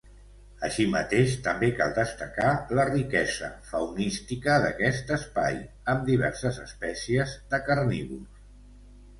Així mateix també cal destacar la riquesa faunística d'aquest espai, amb diverses espècies de carnívors.